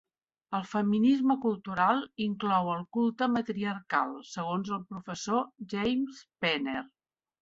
El feminisme cultural inclou el "culte matriarcal", segons el Professor James Penner.